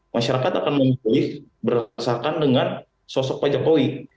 masyarakat akan memilih berdasarkan dengan sosok pak jokowi